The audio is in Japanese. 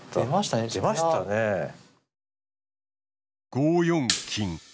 ５四金。